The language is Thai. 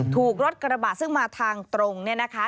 ถูกรถกระบะซึ่งมาทางตรงเนี่ยนะคะ